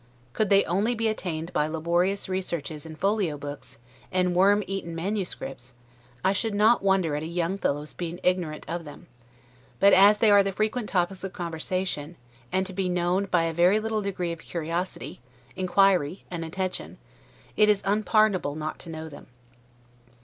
Could they only be attained by laborious researches in folio books, and wormeaten manuscripts, I should not wonder at a young fellow's being ignorant of them; but as they are the frequent topics of conversation, and to be known by a very little degree of curiosity, inquiry and attention, it is unpardonable not to know them.